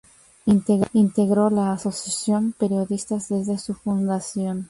Integró la Asociación Periodistas desde su fundación.